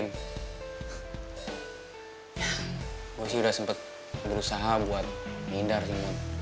nih indar cuman